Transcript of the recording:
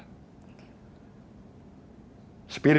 spirit kita semuanya terutama dari pak jokowi itu bisa naik kembali